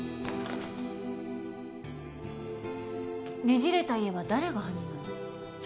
『ねじれた家』は誰が犯人なの？